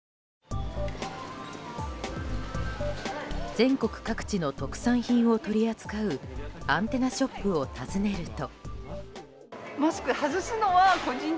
全国各地の特産品を取り扱うアンテナショップを訪ねると。